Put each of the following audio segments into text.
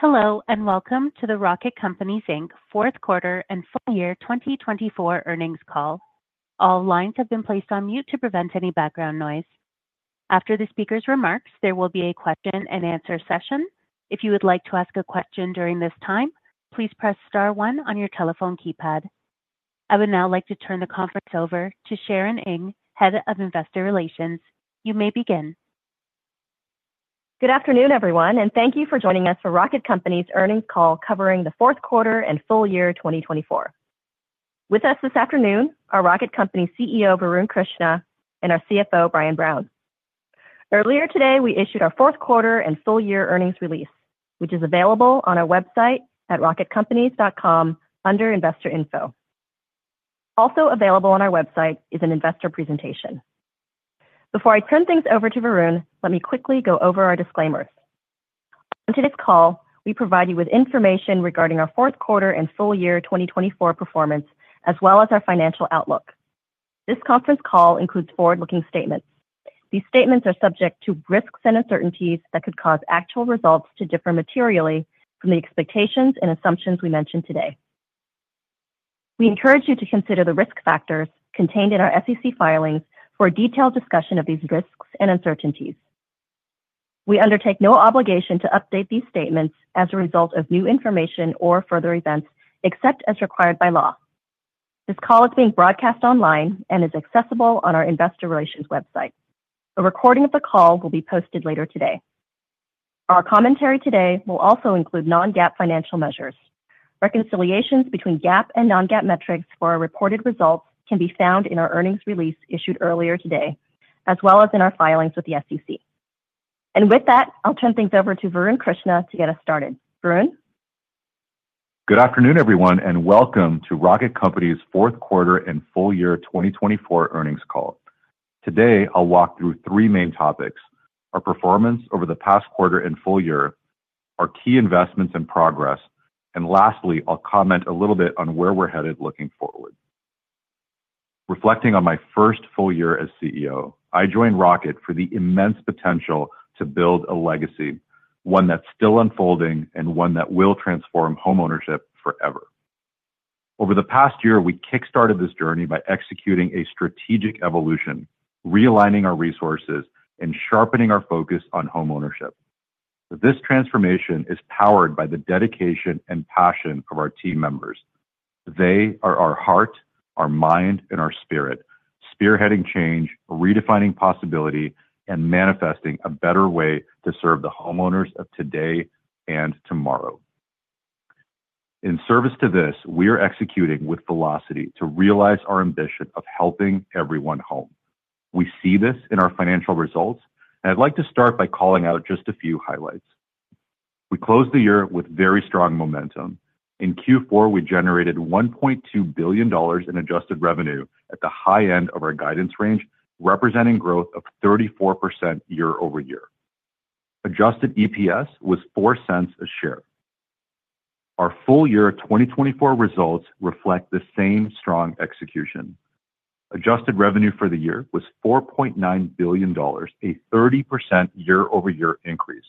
Hello, and welcome to the Rocket Companies Inc. Fourth Quarter and Full Year 2024 earnings call. All lines have been placed on mute to prevent any background noise. After the speaker's remarks, there will be a question-and-answer session. If you would like to ask a question during this time, please press star one on your telephone keypad. I would now like to turn the conference over to Sharon Ng, Head of Investor Relations. You may begin. Good afternoon, everyone, and thank you for joining us for Rocket Companies' earnings call covering the fourth quarter and full year 2024. With us this afternoon are Rocket Companies CEO Varun Krishna and our CFO Brian Brown. Earlier today, we issued our fourth quarter and full year earnings release, which is available on our website at rocketcompanies.com under Investor Info. Also available on our website is an investor presentation. Before I turn things over to Varun, let me quickly go over our disclaimers. On today's call, we provide you with information regarding our fourth quarter and full year 2024 performance, as well as our financial outlook. This conference call includes forward-looking statements. These statements are subject to risks and uncertainties that could cause actual results to differ materially from the expectations and assumptions we mentioned today. We encourage you to consider the risk factors contained in our SEC filings for a detailed discussion of these risks and uncertainties. We undertake no obligation to update these statements as a result of new information or further events, except as required by law. This call is being broadcast online and is accessible on our Investor Relations website. A recording of the call will be posted later today. Our commentary today will also include non-GAAP financial measures. Reconciliations between GAAP and non-GAAP metrics for our reported results can be found in our earnings release issued earlier today, as well as in our filings with the SEC. And with that, I'll turn things over to Varun Krishna to get us started. Varun. Good afternoon, everyone, and welcome to Rocket Companies' Fourth Quarter and Full Year 2024 earnings call. Today, I'll walk through three main topics: our performance over the past quarter and full year, our key investments and progress, and lastly, I'll comment a little bit on where we're headed looking forward. Reflecting on my first full year as CEO, I joined Rocket for the immense potential to build a legacy, one that's still unfolding and one that will transform homeownership forever. Over the past year, we kickstarted this journey by executing a strategic evolution, realigning our resources, and sharpening our focus on homeownership. This transformation is powered by the dedication and passion of our team members. They are our heart, our mind, and our spirit, spearheading change, redefining possibility, and manifesting a better way to serve the homeowners of today and tomorrow. In service to this, we are executing with velocity to realize our ambition of helping everyone home. We see this in our financial results, and I'd like to start by calling out just a few highlights. We closed the year with very strong momentum. In Q4, we generated $1.2 billion in adjusted revenue at the high end of our guidance range, representing growth of 34% year-over-year. Adjusted EPS was $0.04 a share. Our full year 2024 results reflect the same strong execution. Adjusted revenue for the year was $4.9 billion, a 30% year-over-year increase.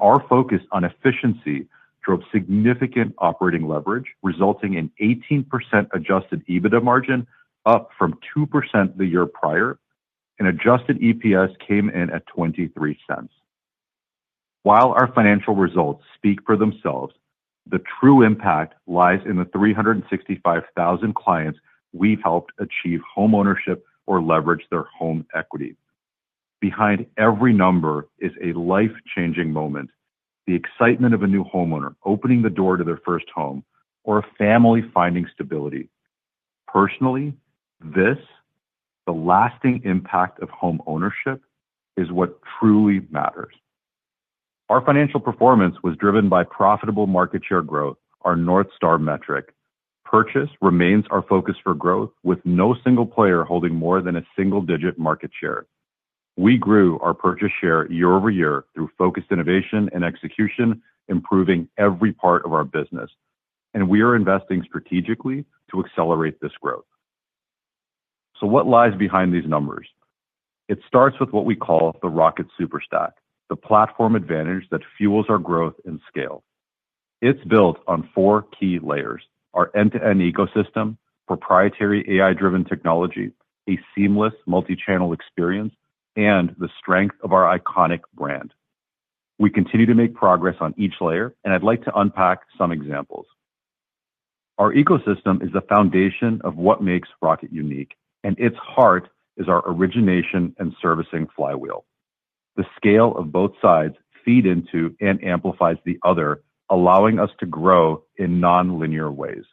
Our focus on efficiency drove significant operating leverage, resulting in 18% adjusted EBITDA margin, up from 2% the year prior, and adjusted EPS came in at $0.23. While our financial results speak for themselves, the true impact lies in the 365,000 clients we've helped achieve homeownership or leverage their home equity. Behind every number is a life-changing moment: the excitement of a new homeowner opening the door to their first home or a family finding stability. Personally, this, the lasting impact of homeownership, is what truly matters. Our financial performance was driven by profitable market share growth, our North Star metric. Purchase remains our focus for growth, with no single player holding more than a single-digit market share. We grew our purchase share year-over-year through focused innovation and execution, improving every part of our business, and we are investing strategically to accelerate this growth. So what lies behind these numbers? It starts with what we call the Rocket Super Stack, the platform advantage that fuels our growth and scale. It's built on four key layers: our end-to-end ecosystem, proprietary AI-driven technology, a seamless multichannel experience, and the strength of our iconic brand. We continue to make progress on each layer, and I'd like to unpack some examples. Our ecosystem is the foundation of what makes Rocket unique, and its heart is our origination and servicing flywheel. The scale of both sides feeds into and amplifies the other, allowing us to grow in non-linear ways.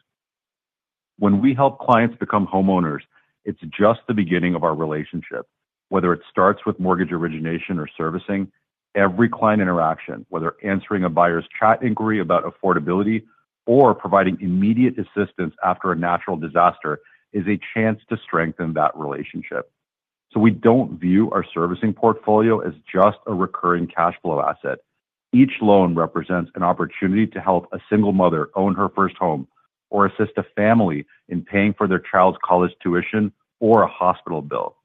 When we help clients become homeowners, it's just the beginning of our relationship. Whether it starts with mortgage origination or servicing, every client interaction, whether answering a buyer's chat inquiry about affordability or providing immediate assistance after a natural disaster, is a chance to strengthen that relationship. So we don't view our servicing portfolio as just a recurring cash flow asset. Each loan represents an opportunity to help a single mother own her first home or assist a family in paying for their child's college tuition or a hospital bill.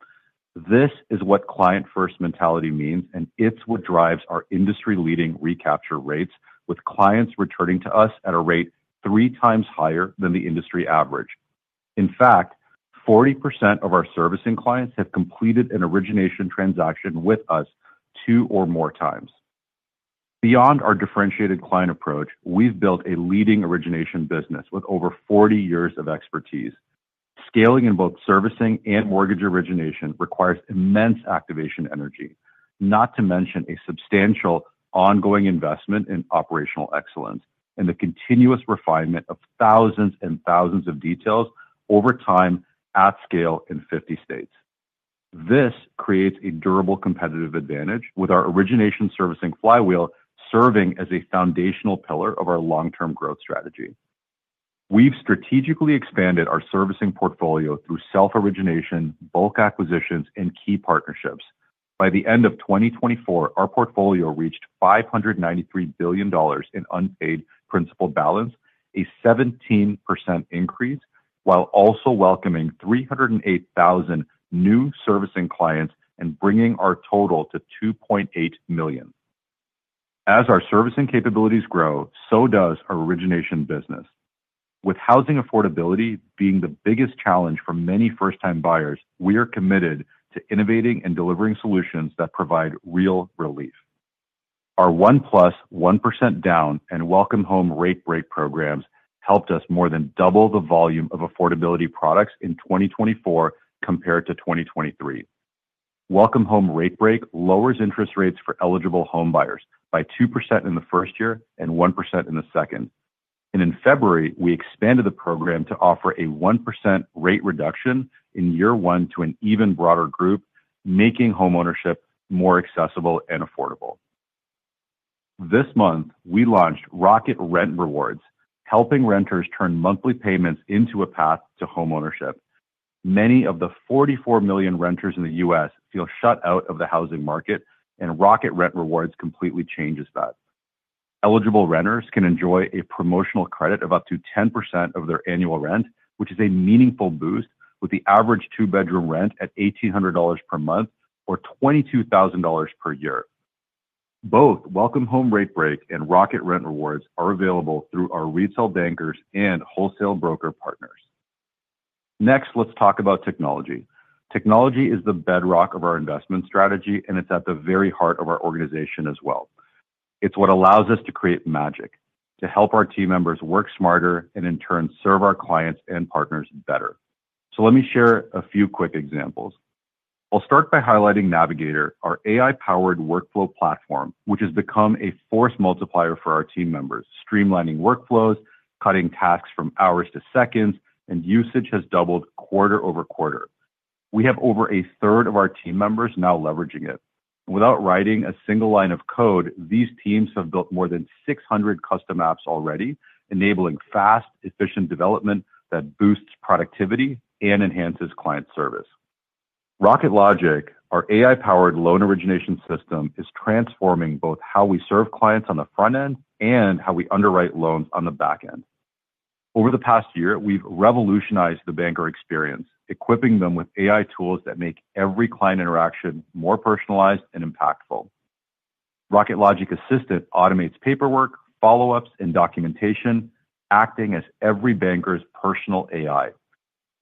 This is what client-first mentality means, and it's what drives our industry-leading recapture rates, with clients returning to us at a rate three times higher than the industry average. In fact, 40% of our servicing clients have completed an origination transaction with us two or more times. Beyond our differentiated client approach, we've built a leading origination business with over 40 years of expertise. Scaling in both servicing and mortgage origination requires immense activation energy, not to mention a substantial ongoing investment in operational excellence and the continuous refinement of thousands and thousands of details over time at scale in 50 states. This creates a durable competitive advantage, with our origination servicing flywheel serving as a foundational pillar of our long-term growth strategy. We've strategically expanded our servicing portfolio through self-origination, bulk acquisitions, and key partnerships. By the end of 2024, our portfolio reached $593 billion in unpaid principal balance, a 17% increase, while also welcoming 308,000 new servicing clients and bringing our total to 2.8 million. As our servicing capabilities grow, so does our origination business. With housing affordability being the biggest challenge for many first-time buyers, we are committed to innovating and delivering solutions that provide real relief. Our ONE+, 1% down, and Welcome Home RateBreak programs helped us more than double the volume of affordability products in 2024 compared to 2023. Welcome Home RateBreak lowers interest rates for eligible home buyers by 2% in the first year and 1% in the second. And in February, we expanded the program to offer a 1% rate reduction in year one to an even broader group, making homeownership more accessible and affordable. This month, we launched Rocket Rent Rewards, helping renters turn monthly payments into a path to homeownership. Many of the 44 million renters in the U.S. feel shut out of the housing market, and Rocket Rent Rewards completely changes that. Eligible renters can enjoy a promotional credit of up to 10% of their annual rent, which is a meaningful boost, with the average two-bedroom rent at $1,800 per month or $22,000 per year. Both Welcome Home RateBreak and Rocket Rent Rewards are available through our retail bankers and wholesale broker partners. Next, let's talk about technology. Technology is the bedrock of our investment strategy, and it's at the very heart of our organization as well. It's what allows us to create magic, to help our team members work smarter, and in turn, serve our clients and partners better. So let me share a few quick examples. I'll start by highlighting Navigator, our AI-powered workflow platform, which has become a force multiplier for our team members, streamlining workflows, cutting tasks from hours to seconds, and usage has doubled quarter over quarter. We have over a third of our team members now leveraging it. Without writing a single line of code, these teams have built more than 600 custom apps already, enabling fast, efficient development that boosts productivity and enhances client service. Rocket Logic, our AI-powered loan origination system, is transforming both how we serve clients on the front end and how we underwrite loans on the back end. Over the past year, we've revolutionized the banker experience, equipping them with AI tools that make every client interaction more personalized and impactful. Rocket Logic Assistant automates paperwork, follow-ups, and documentation, acting as every banker's personal AI.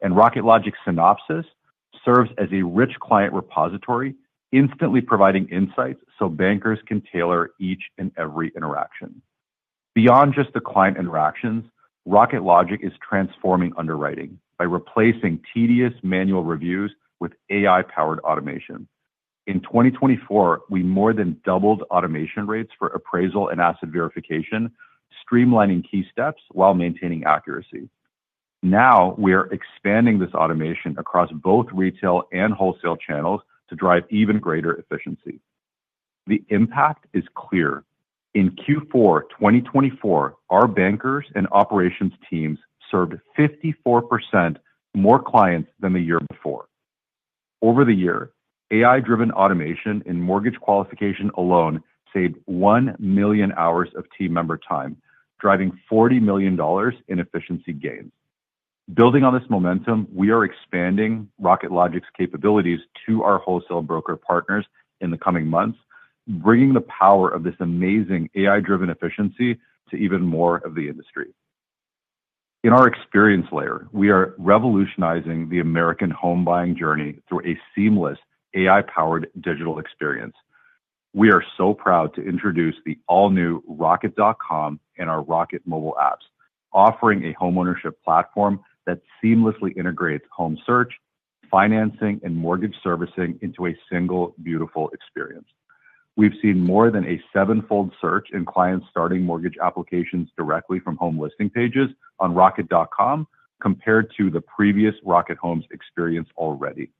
Rocket Logic Synopsis serves as a rich client repository, instantly providing insights so bankers can tailor each and every interaction. Beyond just the client interactions, Rocket Logic is transforming underwriting by replacing tedious manual reviews with AI-powered automation. In 2024, we more than doubled automation rates for appraisal and asset verification, streamlining key steps while maintaining accuracy. Now we are expanding this automation across both retail and wholesale channels to drive even greater efficiency. The impact is clear. In Q4 2024, our bankers and operations teams served 54% more clients than the year before. Over the year, AI-driven automation in mortgage qualification alone saved 1 million hours of team member time, driving $40 million in efficiency gains. Building on this momentum, we are expanding Rocket Logic's capabilities to our wholesale broker partners in the coming months, bringing the power of this amazing AI-driven efficiency to even more of the industry. In our experience layer, we are revolutionizing the American home buying journey through a seamless AI-powered digital experience. We are so proud to introduce the all-new Rocket.com and our Rocket Mobile apps, offering a homeownership platform that seamlessly integrates home search, financing, and mortgage servicing into a single, beautiful experience. We've seen more than a seven-fold surge in clients starting mortgage applications directly from home listing pages on Rocket.com compared to the previous Rocket Homes experience already.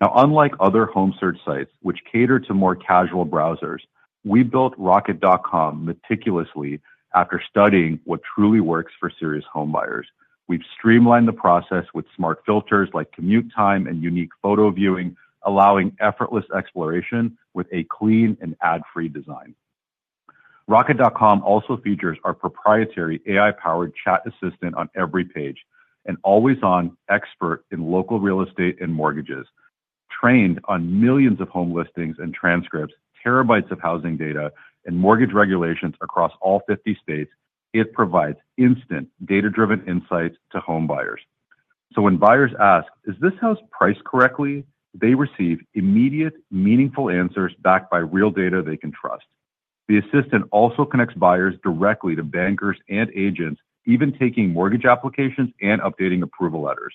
Now, unlike other home search sites, which cater to more casual browsers, we built Rocket.com meticulously after studying what truly works for serious home buyers. We've streamlined the process with smart filters like commute time and unique photo viewing, allowing effortless exploration with a clean and ad-free design. Rocket.com also features our proprietary AI-powered chat assistant on every page, an always-on expert in local real estate and mortgages. Trained on millions of home listings and transcripts, terabytes of housing data, and mortgage regulations across all 50 states, it provides instant data-driven insights to home buyers. So when buyers ask, "Is this house priced correctly?" they receive immediate, meaningful answers backed by real data they can trust. The assistant also connects buyers directly to bankers and agents, even taking mortgage applications and updating approval letters.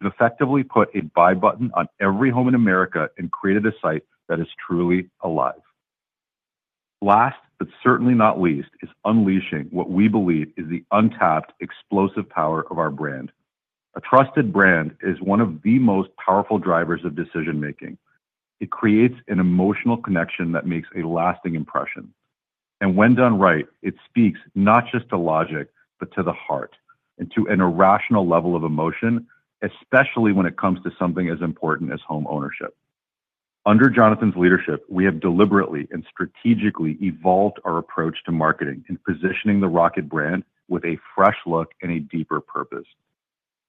It effectively put a buy button on every home in America and created a site that is truly alive. Last, but certainly not least, is unleashing what we believe is the untapped explosive power of our brand. A trusted brand is one of the most powerful drivers of decision-making. It creates an emotional connection that makes a lasting impression. And when done right, it speaks not just to logic, but to the heart and to an irrational level of emotion, especially when it comes to something as important as home ownership. Under Jonathan's leadership, we have deliberately and strategically evolved our approach to marketing and positioning the Rocket brand with a fresh look and a deeper purpose.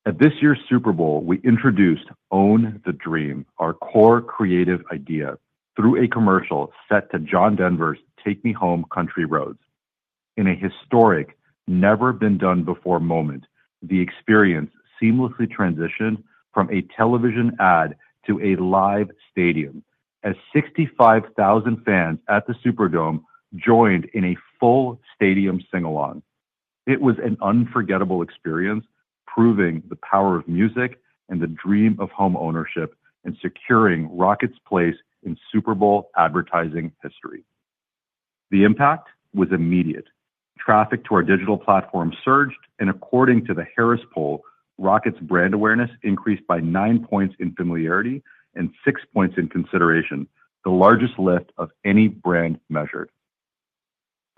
At this year's Super Bowl, we introduced Own the Dream, our core creative idea, through a commercial set to John Denver's Take Me Home, Country Roads. In a historic, never-been-done-before moment, the experience seamlessly transitioned from a television ad to a live stadium as 65,000 fans at the Superdome joined in a full stadium sing-along. It was an unforgettable experience, proving the power of music and the dream of home ownership and securing Rocket's place in Super Bowl advertising history. The impact was immediate. Traffic to our digital platform surged, and according to the Harris Poll, Rocket's brand awareness increased by nine points in familiarity and six points in consideration, the largest lift of any brand measured.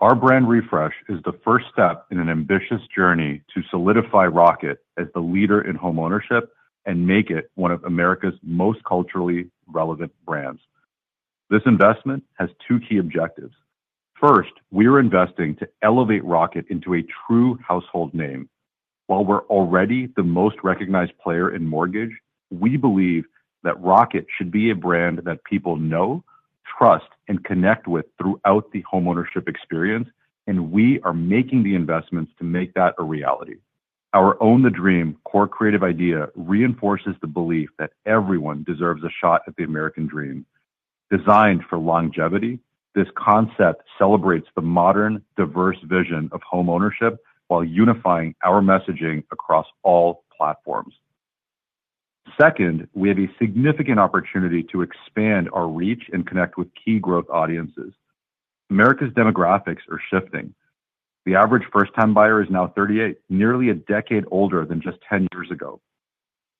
Our brand refresh is the first step in an ambitious journey to solidify Rocket as the leader in home ownership and make it one of America's most culturally relevant brands. This investment has two key objectives. First, we are investing to elevate Rocket into a true household name. While we're already the most recognized player in mortgage, we believe that Rocket should be a brand that people know, trust, and connect with throughout the homeownership experience, and we are making the investments to make that a reality. Our "Own the Dream" core creative idea reinforces the belief that everyone deserves a shot at the American dream. Designed for longevity, this concept celebrates the modern, diverse vision of home ownership while unifying our messaging across all platforms. Second, we have a significant opportunity to expand our reach and connect with key growth audiences. America's demographics are shifting. The average first-time buyer is now 38, nearly a decade older than just 10 years ago,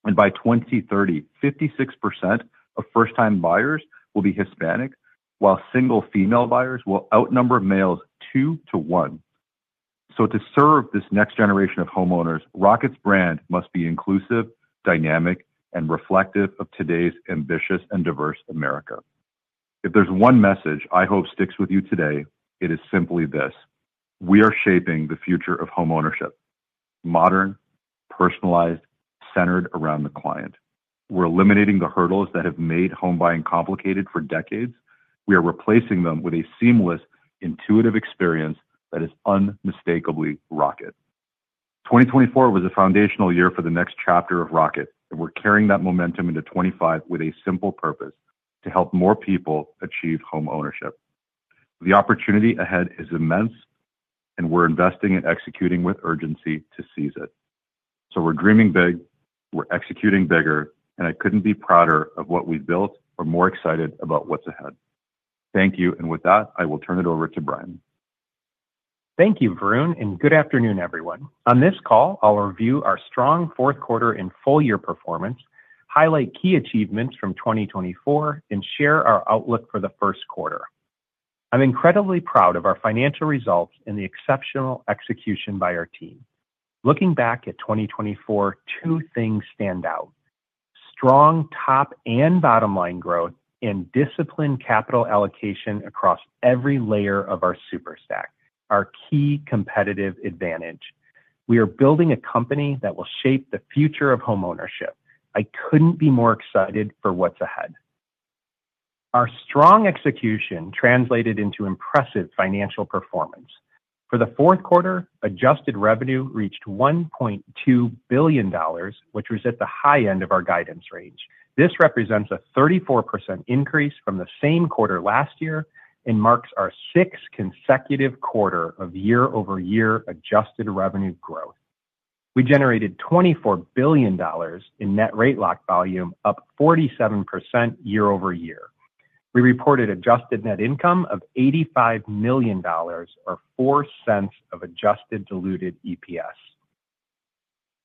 and by 2030, 56% of first-time buyers will be Hispanic, while single female buyers will outnumber males two to one, so to serve this next generation of homeowners, Rocket's brand must be inclusive, dynamic, and reflective of today's ambitious and diverse America. If there's one message I hope sticks with you today, it is simply this: we are shaping the future of home ownership. Modern, personalized, centered around the client. We're eliminating the hurdles that have made home buying complicated for decades. We are replacing them with a seamless, intuitive experience that is unmistakably Rocket. 2024 was a foundational year for the next chapter of Rocket, and we're carrying that momentum into 2025 with a simple purpose: to help more people achieve home ownership. The opportunity ahead is immense, and we're investing and executing with urgency to seize it. So we're dreaming big, we're executing bigger, and I couldn't be prouder of what we've built or more excited about what's ahead. Thank you, and with that, I will turn it over to Brian. Thank you, Varun, and good afternoon, everyone. On this call, I'll review our strong fourth quarter and full year performance, highlight key achievements from 2024, and share our outlook for the first quarter. I'm incredibly proud of our financial results and the exceptional execution by our team. Looking back at 2024, two things stand out: strong top and bottom line growth and disciplined capital allocation across every layer of our super stack, our key competitive advantage. We are building a company that will shape the future of home ownership. I couldn't be more excited for what's ahead. Our strong execution translated into impressive financial performance. For the fourth quarter, adjusted revenue reached $1.2 billion, which was at the high end of our guidance range. This represents a 34% increase from the same quarter last year and marks our sixth consecutive quarter of year-over-year adjusted revenue growth. We generated $24 billion in net rate lock volume, up 47% year-over-year. We reported adjusted net income of $85 million, or $0.04 adjusted diluted EPS.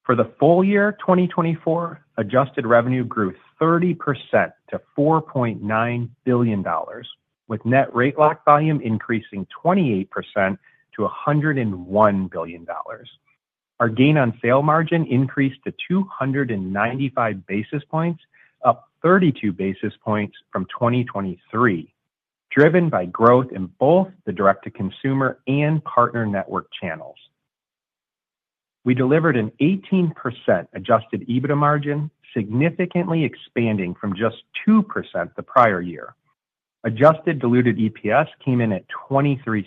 For the full year, 2024, adjusted revenue grew 30% to $4.9 billion, with net rate lock volume increasing 28% to $101 billion. Our gain on sale margin increased to 295 basis points, up 32 basis points from 2023, driven by growth in both the direct-to-consumer and partner network channels. We delivered an 18% Adjusted EBITDA margin, significantly expanding from just 2% the prior year. Adjusted diluted EPS came in at $0.23.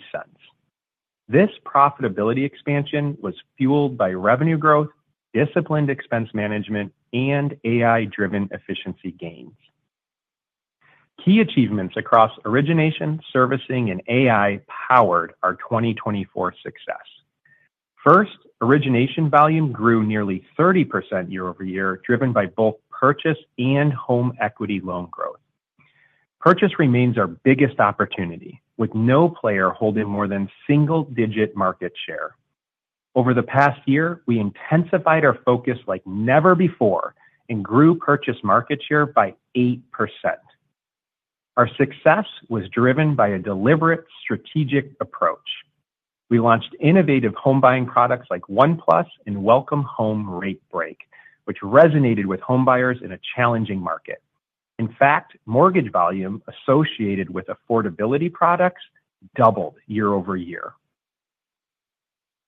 This profitability expansion was fueled by revenue growth, disciplined expense management, and AI-driven efficiency gains. Key achievements across origination, servicing, and AI powered our 2024 success. First, origination volume grew nearly 30% year-over-year, driven by both purchase and home equity loan growth. Purchase remains our biggest opportunity, with no player holding more than single-digit market share. Over the past year, we intensified our focus like never before and grew purchase market share by 8%. Our success was driven by a deliberate, strategic approach. We launched innovative home buying products like ONE+ and Welcome Home RateBreak, which resonated with home buyers in a challenging market. In fact, mortgage volume associated with affordability products doubled year-over-year.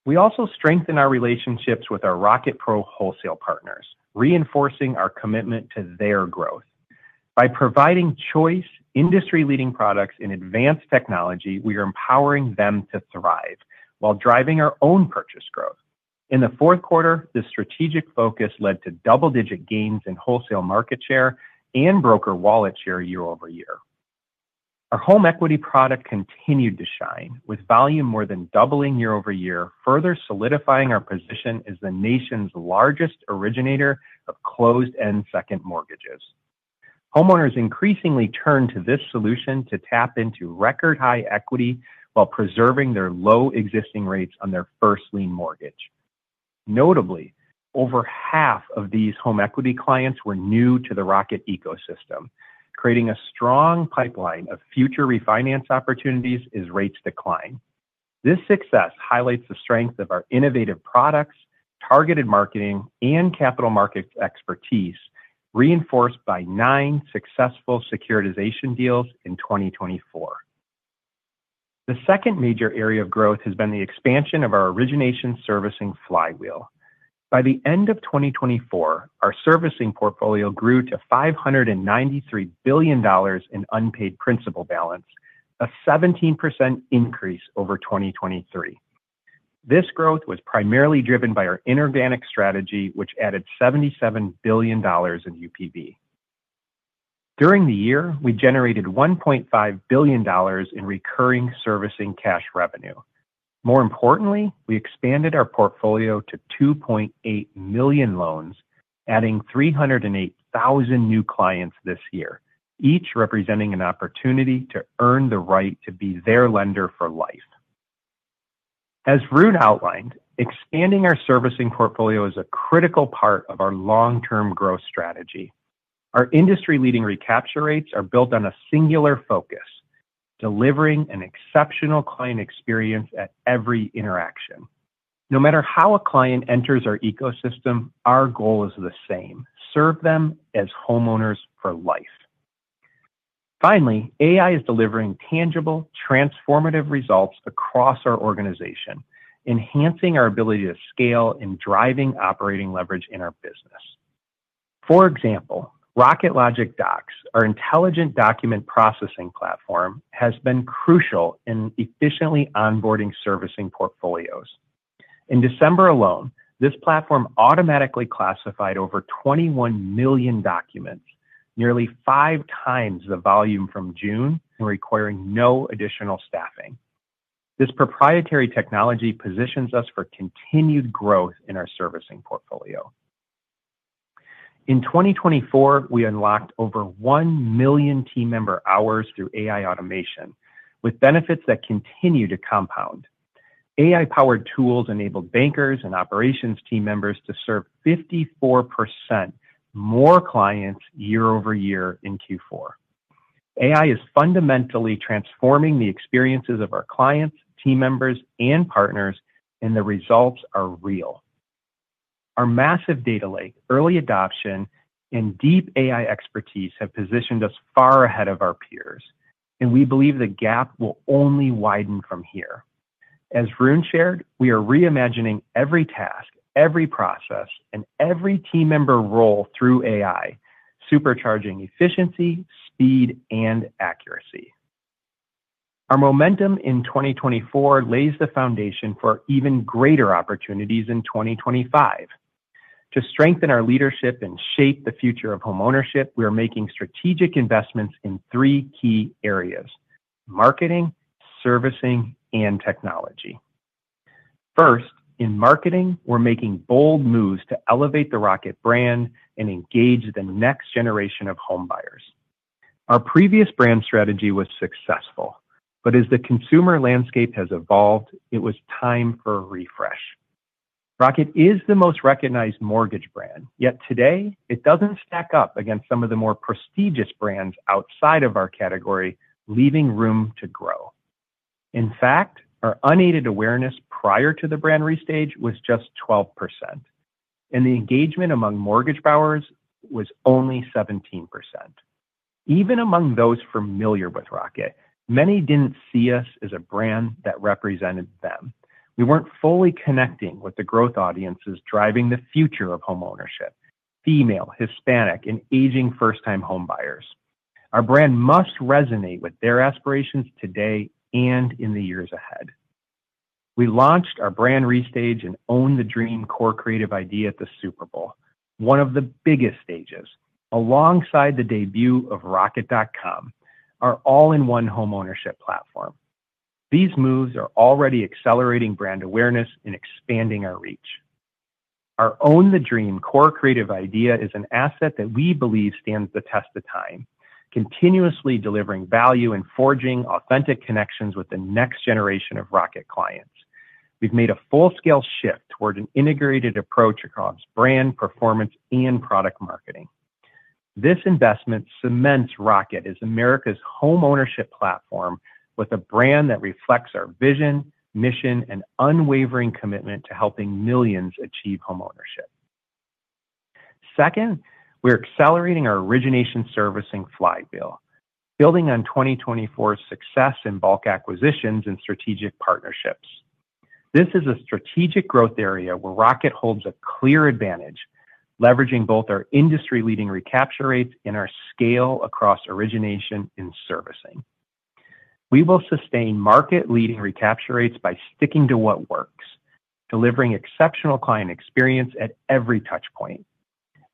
We also strengthened our relationships with our Rocket Pro wholesale partners, reinforcing our commitment to their growth. By providing choice, industry-leading products and advanced technology, we are empowering them to thrive while driving our own purchase growth. In the fourth quarter, this strategic focus led to double-digit gains in wholesale market share and broker wallet share year-over-year. Our home equity product continued to shine, with volume more than doubling year-over-year, further solidifying our position as the nation's largest originator of closed-end second mortgages. Homeowners increasingly turned to this solution to tap into record-high equity while preserving their low existing rates on their first lien mortgage. Notably, over half of these home equity clients were new to the Rocket ecosystem, creating a strong pipeline of future refinance opportunities as rates decline. This success highlights the strength of our innovative products, targeted marketing, and capital market expertise, reinforced by nine successful securitization deals in 2024. The second major area of growth has been the expansion of our origination servicing flywheel. By the end of 2024, our servicing portfolio grew to $593 billion in unpaid principal balance, a 17% increase over 2023. This growth was primarily driven by our inorganic strategy, which added $77 billion in UPB. During the year, we generated $1.5 billion in recurring servicing cash revenue. More importantly, we expanded our portfolio to 2.8 million loans, adding 308,000 new clients this year, each representing an opportunity to earn the right to be their lender for life. As Varun outlined, expanding our servicing portfolio is a critical part of our long-term growth strategy. Our industry-leading recapture rates are built on a singular focus, delivering an exceptional client experience at every interaction. No matter how a client enters our ecosystem, our goal is the same: serve them as homeowners for life. Finally, AI is delivering tangible, transformative results across our organization, enhancing our ability to scale and driving operating leverage in our business. For example, Rocket Logic Docs, our intelligent document processing platform, has been crucial in efficiently onboarding servicing portfolios. In December alone, this platform automatically classified over 21 million documents, nearly five times the volume from June, requiring no additional staffing. This proprietary technology positions us for continued growth in our servicing portfolio. In 2024, we unlocked over one million team member hours through AI automation, with benefits that continue to compound. AI-powered tools enabled bankers and operations team members to serve 54% more clients year-over-year in Q4. AI is fundamentally transforming the experiences of our clients, team members, and partners, and the results are real. Our massive data lake, early adoption, and deep AI expertise have positioned us far ahead of our peers, and we believe the gap will only widen from here. As Varun shared, we are reimagining every task, every process, and every team member role through AI, supercharging efficiency, speed, and accuracy. Our momentum in 2024 lays the foundation for even greater opportunities in 2025. To strengthen our leadership and shape the future of home ownership, we are making strategic investments in three key areas: marketing, servicing, and technology. First, in marketing, we're making bold moves to elevate the Rocket brand and engage the next generation of home buyers. Our previous brand strategy was successful, but as the consumer landscape has evolved, it was time for a refresh. Rocket is the most recognized mortgage brand, yet today it doesn't stack up against some of the more prestigious brands outside of our category, leaving room to grow. In fact, our unaided awareness prior to the brand restage was just 12%, and the engagement among mortgage buyers was only 17%. Even among those familiar with Rocket, many didn't see us as a brand that represented them. We weren't fully connecting with the growth audiences driving the future of home ownership: female, Hispanic, and aging first-time home buyers. Our brand must resonate with their aspirations today and in the years ahead. We launched our brand restage and Own the Dream core creative idea at the Super Bowl, one of the biggest stages, alongside the debut of Rocket.com, our all-in-one home ownership platform. These moves are already accelerating brand awareness and expanding our reach. Our Own the Dream core creative idea is an asset that we believe stands the test of time, continuously delivering value and forging authentic connections with the next generation of Rocket clients. We've made a full-scale shift toward an integrated approach across brand, performance, and product marketing. This investment cements Rocket as America's home ownership platform with a brand that reflects our vision, mission, and unwavering commitment to helping millions achieve home ownership. Second, we're accelerating our origination servicing flywheel, building on 2024's success in bulk acquisitions and strategic partnerships. This is a strategic growth area where Rocket holds a clear advantage, leveraging both our industry-leading recapture rates and our scale across origination and servicing. We will sustain market-leading recapture rates by sticking to what works, delivering exceptional client experience at every touchpoint.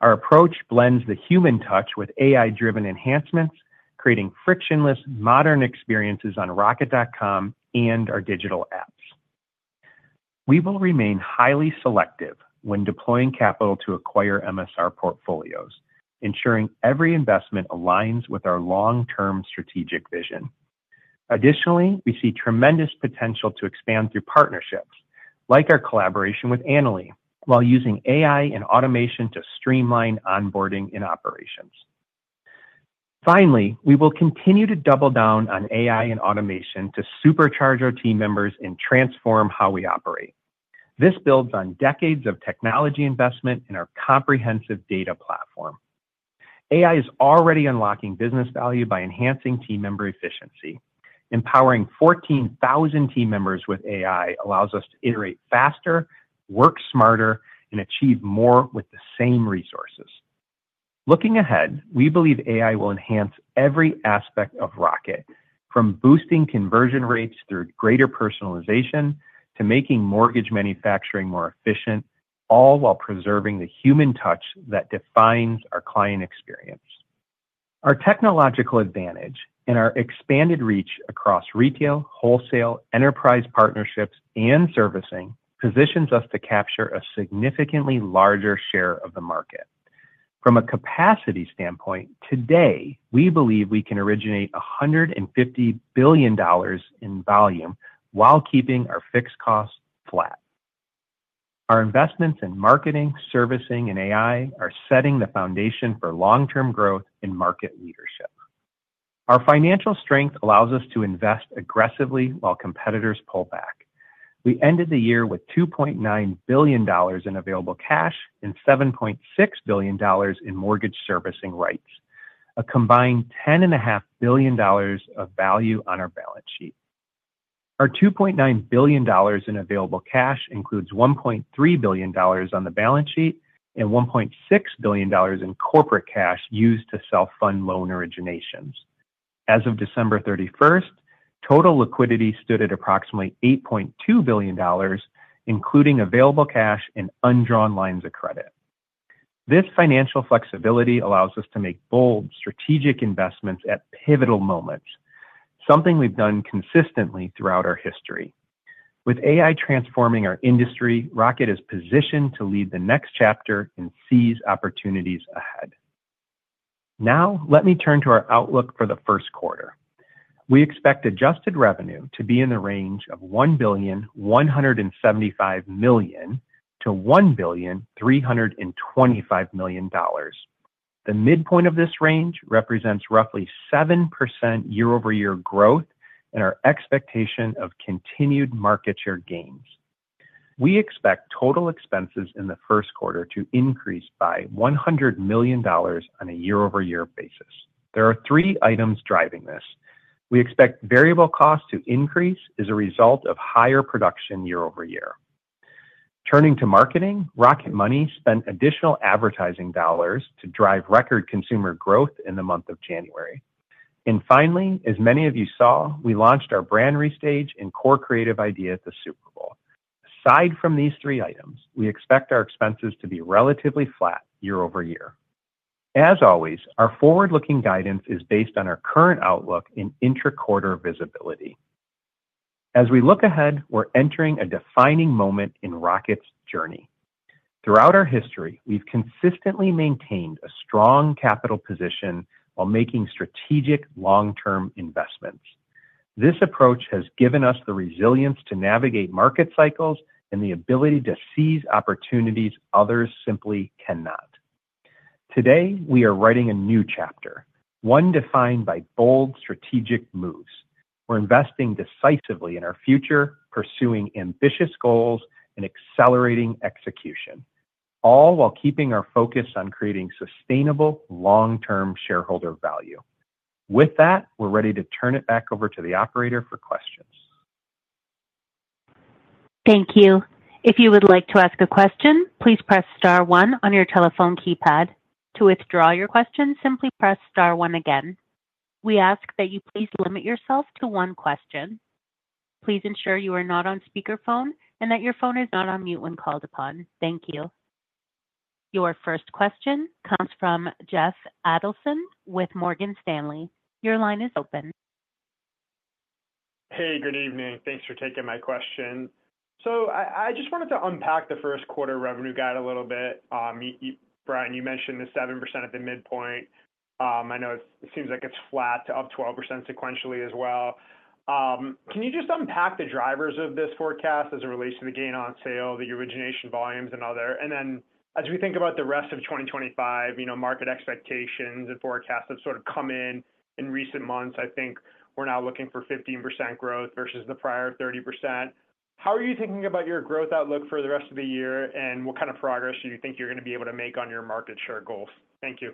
Our approach blends the human touch with AI-driven enhancements, creating frictionless, modern experiences on Rocket.com and our digital apps. We will remain highly selective when deploying capital to acquire MSR portfolios, ensuring every investment aligns with our long-term strategic vision. Additionally, we see tremendous potential to expand through partnerships, like our collaboration with Annaly, while using AI and automation to streamline onboarding and operations. Finally, we will continue to double down on AI and automation to supercharge our team members and transform how we operate. This builds on decades of technology investment in our comprehensive data platform. AI is already unlocking business value by enhancing team member efficiency. Empowering 14,000 team members with AI allows us to iterate faster, work smarter, and achieve more with the same resources. Looking ahead, we believe AI will enhance every aspect of Rocket, from boosting conversion rates through greater personalization to making mortgage manufacturing more efficient, all while preserving the human touch that defines our client experience. Our technological advantage and our expanded reach across retail, wholesale, enterprise partnerships, and servicing positions us to capture a significantly larger share of the market. From a capacity standpoint, today, we believe we can originate $150 billion in volume while keeping our fixed costs flat. Our investments in marketing, servicing, and AI are setting the foundation for long-term growth and market leadership. Our financial strength allows us to invest aggressively while competitors pull back. We ended the year with $2.9 billion in available cash and $7.6 billion in mortgage servicing rights, a combined $10.5 billion of value on our balance sheet. Our $2.9 billion in available cash includes $1.3 billion on the balance sheet and $1.6 billion in corporate cash used to self-fund loan originations. As of December 31st, total liquidity stood at approximately $8.2 billion, including available cash and undrawn lines of credit. This financial flexibility allows us to make bold, strategic investments at pivotal moments, something we've done consistently throughout our history. With AI transforming our industry, Rocket is positioned to lead the next chapter and seize opportunities ahead. Now, let me turn to our outlook for the first quarter. We expect adjusted revenue to be in the range of $1,175 million-$1,325 million. The midpoint of this range represents roughly 7% year-over-year growth and our expectation of continued market share gains. We expect total expenses in the first quarter to increase by $100 million on a year-over-year basis. There are three items driving this. We expect variable costs to increase as a result of higher production year-over-year. Turning to marketing, Rocket Money spent additional advertising dollars to drive record consumer growth in the month of January. And finally, as many of you saw, we launched our brand restage and core creative idea at the Super Bowl. Aside from these three items, we expect our expenses to be relatively flat year-over-year. As always, our forward-looking guidance is based on our current outlook and intra-quarter visibility. As we look ahead, we're entering a defining moment in Rocket's journey. Throughout our history, we've consistently maintained a strong capital position while making strategic long-term investments. This approach has given us the resilience to navigate market cycles and the ability to seize opportunities others simply cannot. Today, we are writing a new chapter, one defined by bold strategic moves. We're investing decisively in our future, pursuing ambitious goals, and accelerating execution, all while keeping our focus on creating sustainable long-term shareholder value. With that, we're ready to turn it back over to the operator for questions. Thank you. If you would like to ask a question, please press star one on your telephone keypad. To withdraw your question, simply press star one again. We ask that you please limit yourself to one question. Please ensure you are not on speakerphone and that your phone is not on mute when called upon. Thank you. Your first question comes from Jeff Adelson with Morgan Stanley. Your line is open. Hey, good evening. Thanks for taking my question. So I just wanted to unpack the first quarter revenue guide a little bit. Brian, you mentioned the 7% at the midpoint. I know it seems like it's flat to up 12% sequentially as well. Can you just unpack the drivers of this forecast as it relates to the gain on sale, the origination volumes, and other? And then, as we think about the rest of 2025, market expectations and forecasts have sort of come in in recent months. I think we're now looking for 15% growth versus the prior 30%. How are you thinking about your growth outlook for the rest of the year, and what kind of progress do you think you're going to be able to make on your market share goals? Thank you.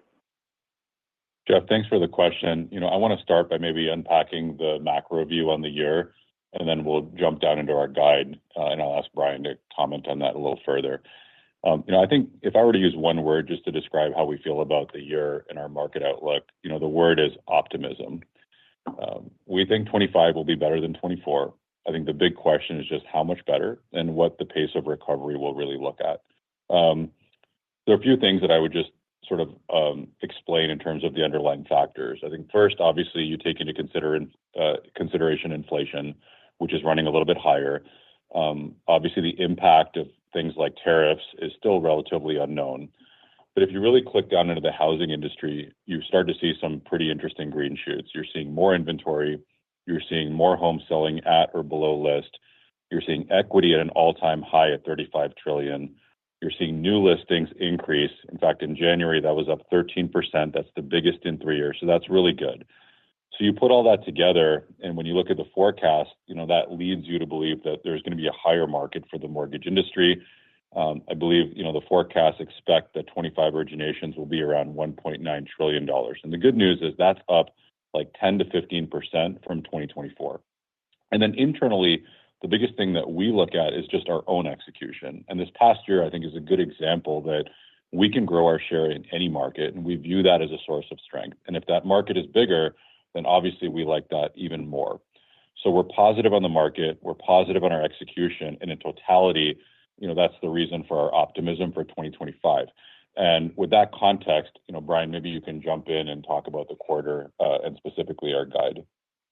Jeff, thanks for the question. I want to start by maybe unpacking the macro view on the year, and then we'll jump down into our guide, and I'll ask Brian to comment on that a little further. I think if I were to use one word just to describe how we feel about the year and our market outlook, the word is optimism. We think 2025 will be better than 2024. I think the big question is just how much better and what the pace of recovery we'll really look at. There are a few things that I would just sort of explain in terms of the underlying factors. I think first, obviously, you take into consideration inflation, which is running a little bit higher. Obviously, the impact of things like tariffs is still relatively unknown. But if you really click down into the housing industry, you start to see some pretty interesting green shoots. You're seeing more inventory. You're seeing more homes selling at or below list. You're seeing equity at an all-time high at $35 trillion. You're seeing new listings increase. In fact, in January, that was up 13%. That's the biggest in three years. So that's really good. So you put all that together, and when you look at the forecast, that leads you to believe that there's going to be a higher market for the mortgage industry. I believe the forecasts expect that 2025 originations will be around $1.9 trillion. And the good news is that's up like 10%-15% from 2024. And then internally, the biggest thing that we look at is just our own execution. And this past year, I think, is a good example that we can grow our share in any market, and we view that as a source of strength. And if that market is bigger, then obviously we like that even more. So we're positive on the market. We're positive on our execution. And in totality, that's the reason for our optimism for 2025. And with that context, Brian, maybe you can jump in and talk about the quarter and specifically our guide.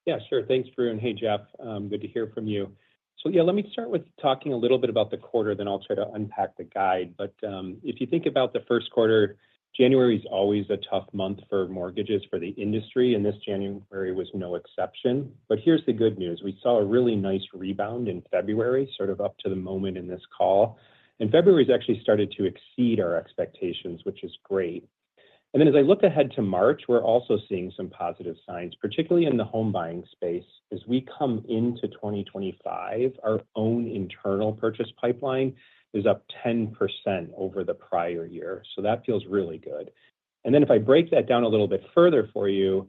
Yeah, sure. Thanks, Varun. And hey, Jeff, good to hear from you. So yeah, let me start with talking a little bit about the quarter, then I'll try to unpack the guide. But if you think about the first quarter, January is always a tough month for mortgages for the industry, and this January was no exception. But here's the good news. We saw a really nice rebound in February, sort of up to the moment in this call. And February has actually started to exceed our expectations, which is great. And then as I look ahead to March, we're also seeing some positive signs, particularly in the home buying space. As we come into 2025, our own internal purchase pipeline is up 10% over the prior year, so that feels really good, and then if I break that down a little bit further for you,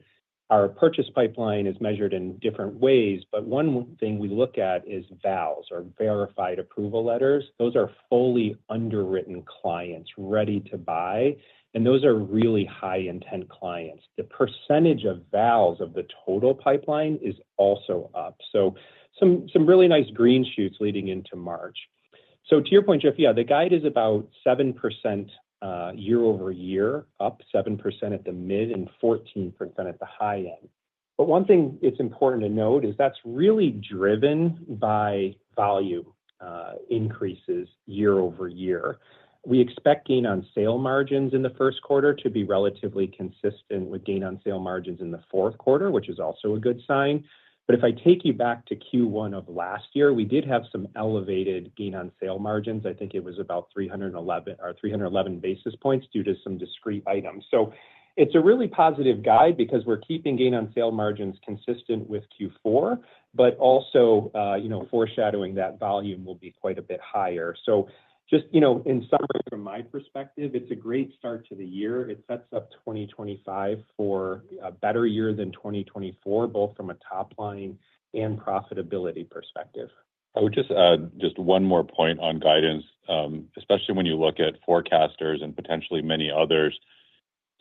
our purchase pipeline is measured in different ways, but one thing we look at is VALs or Verified Approval Letters. Those are fully underwritten clients ready to buy, and those are really high-intent clients. The percentage of VALs of the total pipeline is also up, so some really nice green shoots leading into March. So, to your point, Jeff, yeah, the guide is about 7% year-over-year, up 7% at the mid and 14% at the high end, but one thing it's important to note is that's really driven by volume increases year-over-year. We expect gain on sale margins in the first quarter to be relatively consistent with gain on sale margins in the fourth quarter, which is also a good sign. But if I take you back to Q1 of last year, we did have some elevated gain on sale margins. I think it was about 311 basis points due to some discrete items. So it's a really positive guide because we're keeping gain on sale margins consistent with Q4, but also foreshadowing that volume will be quite a bit higher. So just in summary, from my perspective, it's a great start to the year. It sets up 2025 for a better year than 2024, both from a top line and profitability perspective. I would just add just one more point on guidance, especially when you look at forecasters and potentially many others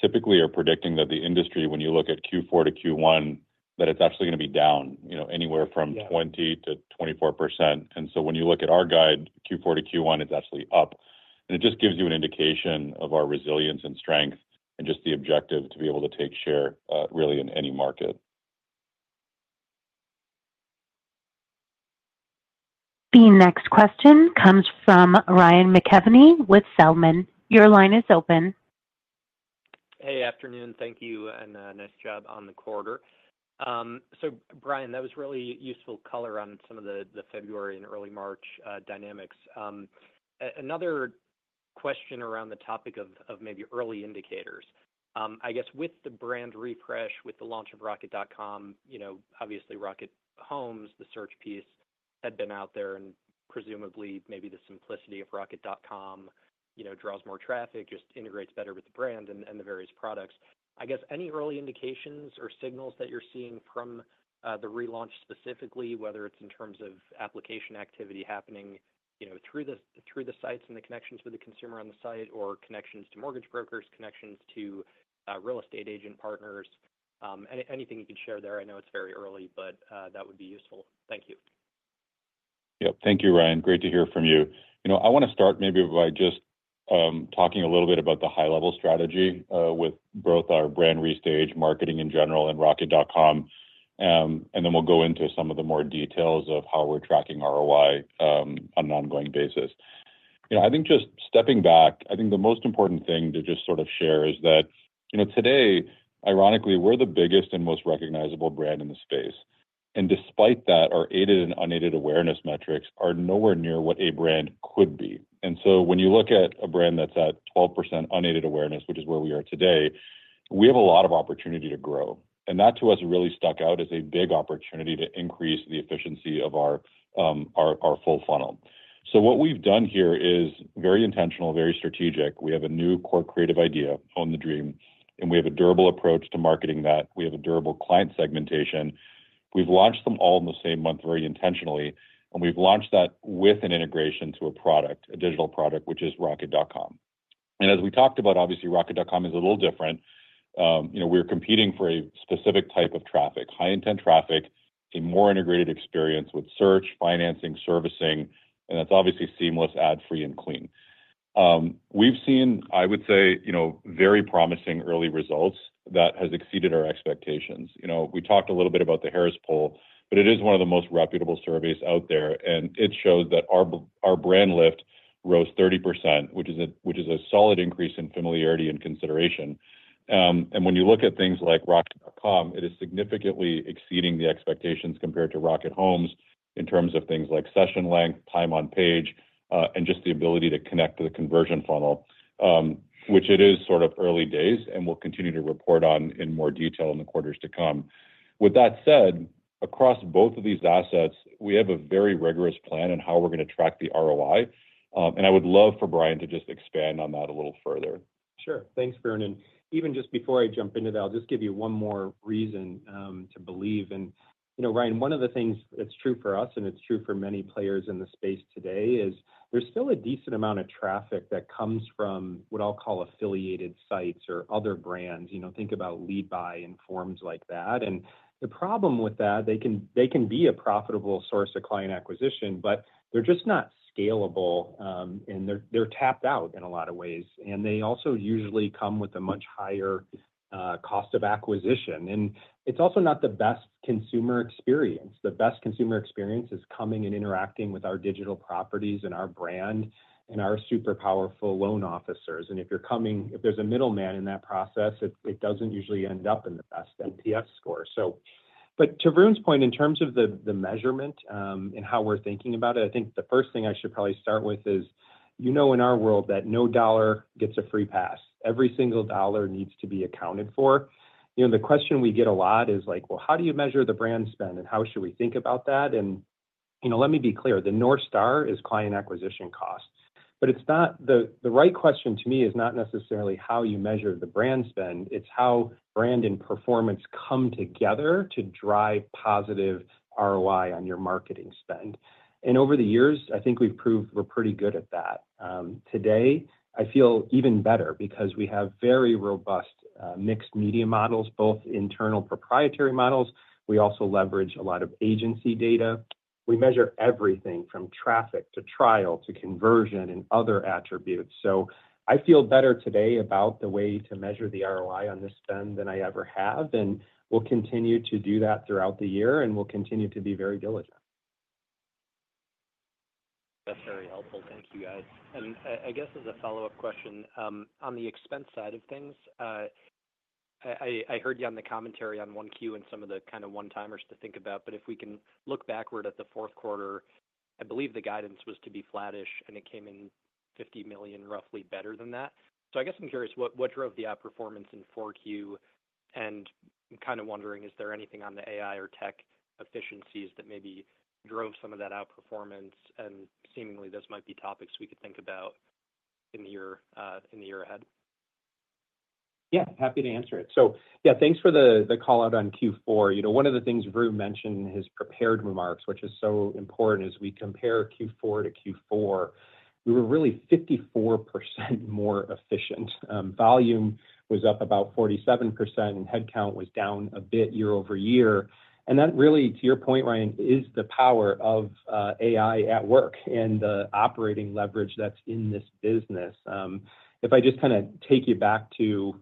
typically are predicting that the industry, when you look at Q4 to Q1, that it's actually going to be down anywhere from 20%-24%. And so when you look at our guide, Q4 to Q1, it's actually up. And it just gives you an indication of our resilience and strength and just the objective to be able to take share really in any market. The next question comes from Ryan McKeveny with Zelman. Your line is open. Hey, afternoon. Thank you. And nice job on the quarter. So Brian, that was really useful color on some of the February and early March dynamics. Another question around the topic of maybe early indicators. I guess with the brand refresh, with the launch of Rocket.com, obviously Rocket Homes, the search piece had been out there, and presumably maybe the simplicity of Rocket.com draws more traffic, just integrates better with the brand and the various products. I guess any early indications or signals that you're seeing from the relaunch specifically, whether it's in terms of application activity happening through the sites and the connections with the consumer on the site or connections to mortgage brokers, connections to real estate agent partners, anything you can share there? I know it's very early, but that would be useful. Thank you. Yep. Thank you, Ryan. Great to hear from you. I want to start maybe by just talking a little bit about the high-level strategy with both our brand restage, marketing in general, and Rocket.com. Then we'll go into some of the more details of how we're tracking ROI on an ongoing basis. I think just stepping back, I think the most important thing to just sort of share is that today, ironically, we're the biggest and most recognizable brand in the space. And despite that, our aided and unaided awareness metrics are nowhere near what a brand could be. And so when you look at a brand that's at 12% unaided awareness, which is where we are today, we have a lot of opportunity to grow. And that to us really stuck out as a big opportunity to increase the efficiency of our full funnel. So what we've done here is very intentional, very strategic. We have a new core creative idea, Own the Dream, and we have a durable approach to marketing that. We have a durable client segmentation. We've launched them all in the same month very intentionally, and we've launched that with an integration to a product, a digital product, which is Rocket.com. And as we talked about, obviously, Rocket.com is a little different. We're competing for a specific type of traffic, high-intent traffic, a more integrated experience with search, financing, servicing, and that's obviously seamless, ad-free, and clean. We've seen, I would say, very promising early results that have exceeded our expectations. We talked a little bit about the Harris Poll, but it is one of the most reputable surveys out there, and it shows that our brand lift rose 30%, which is a solid increase in familiarity and consideration. When you look at things like Rocket.com, it is significantly exceeding the expectations compared to Rocket Homes in terms of things like session length, time on page, and just the ability to connect to the conversion funnel, which it is sort of early days and will continue to report on in more detail in the quarters to come. With that said, across both of these assets, we have a very rigorous plan on how we're going to track the ROI. I would love for Brian to just expand on that a little further. Sure. Thanks, Varun. Even just before I jump into that, I'll just give you one more reason to believe. Ryan, one of the things that's true for us, and it's true for many players in the space today, is there's still a decent amount of traffic that comes from what I'll call affiliated sites or other brands. Think about LendingTree and firms like that. The problem with that is they can be a profitable source of client acquisition, but they're just not scalable, and they're tapped out in a lot of ways. They also usually come with a much higher cost of acquisition. It's also not the best consumer experience. The best consumer experience is coming and interacting with our digital properties and our brand and our super powerful loan officers. If there's a middleman in that process, it doesn't usually end up in the best NPS score. But to Vernon's point, in terms of the measurement and how we're thinking about it, I think the first thing I should probably start with is you know in our world that no dollar gets a free pass. Every single dollar needs to be accounted for. The question we get a lot is like, "Well, how do you measure the brand spend, and how should we think about that?" And let me be clear, the North Star is client acquisition cost. But the right question to me is not necessarily how you measure the brand spend. It's how brand and performance come together to drive positive ROI on your marketing spend. And over the years, I think we've proved we're pretty good at that. Today, I feel even better because we have very robust mixed media models, both internal proprietary models. We also leverage a lot of agency data. We measure everything from traffic to trial to conversion and other attributes. So I feel better today about the way to measure the ROI on this spend than I ever have, and we'll continue to do that throughout the year, and we'll continue to be very diligent. That's very helpful. Thank you, guys. And I guess as a follow-up question, on the expense side of things, I heard you on the commentary on Q1 and some of the kind of one-timers to think about. But if we can look backward at the fourth quarter, I believe the guidance was to be flattish, and it came in $50 million roughly better than that. So I guess I'm curious, what drove the outperformance in 4Q? And I'm kind of wondering, is there anything on the AI or tech efficiencies that maybe drove some of that outperformance? Seemingly, those might be topics we could think about in the year ahead. Yeah, happy to answer it. So yeah, thanks for the call out on Q4. One of the things Varun mentioned in his prepared remarks, which is so important, as we compare Q4 to Q4, we were really 54% more efficient. Volume was up about 47%, and headcount was down a bit year-over-year. And that really, to your point, Ryan, is the power of AI at work and the operating leverage that's in this business. If I just kind of take you back to